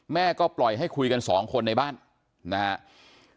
แม่ก็ปล่อยให้คุยกันสองคนในบ้านนะครับ